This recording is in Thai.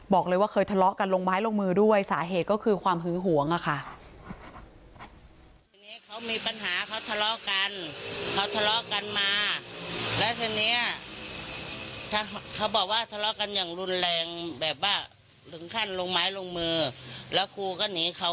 บอกเลยว่าเคยทะเลาะกันลงไม้ลงมือด้วยสาเหตุก็คือความหึงหวงค่ะ